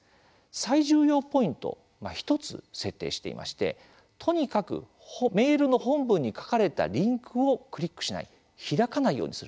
最重要ポイント、１つ設定していまして、とにかく「メールの本文に書かれたリンクをクリックしない」「開かないようにする」